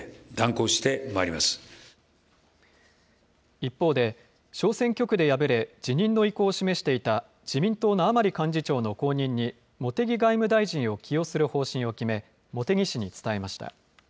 一方で、小選挙区で敗れ、辞任の意向を示していた自民党の甘利幹事長の後任に、茂木外務大臣を起用する方針を決め、茂木氏に伝えました。